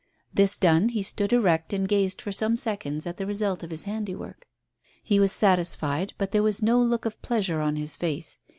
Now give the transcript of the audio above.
This done he stood erect and gazed for some seconds at the result of his handiwork; he was satisfied, but there was no look of pleasure on his face.